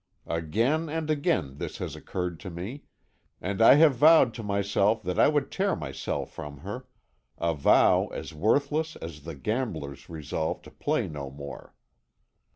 "Again and again has this occurred to me, and I have vowed to myself that I would tear myself from her a vow as worthless as the gambler's resolve to play no more.